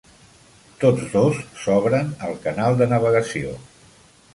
Tots dos s'obren al canal de navegació.